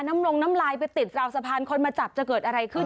ลงน้ำลายไปติดราวสะพานคนมาจับจะเกิดอะไรขึ้น